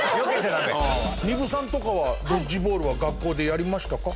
丹生さんとかはドッジボールは学校でやりましたか？